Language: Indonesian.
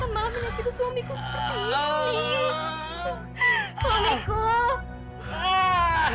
bukan malam ini tidur suamiku seperti ini